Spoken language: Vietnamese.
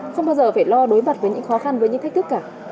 không bao giờ phải lo đối mặt với những khó khăn với những thách thức cả